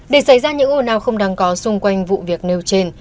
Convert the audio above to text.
để xảy ra những ồ nào không đáng có xung quanh vụ việc nêu trên